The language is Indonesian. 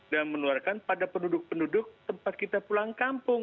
dan menuarkan pada penduduk penduduk tempat kita pulang kampung